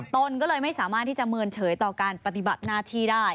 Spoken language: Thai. ตนก็เลยไม่สามารถที่จะเมินเฉยต่อการปฏิบัติหน้าที่ได้